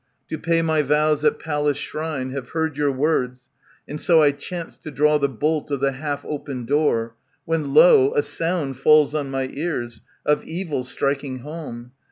To pay my vows at Pallas' shrine, have heard Your words, and so I chanced to draw the bolt Of the half opened door, when lo ! a sound Falls on my ears, of evil striking home.